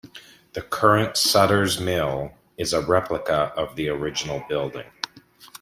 The current Sutter's Mill is a replica of the original building.